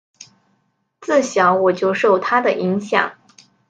自小我就受他的影响